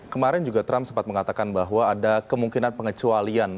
kemarin juga trump sempat mengatakan bahwa ada kemungkinan pengecualian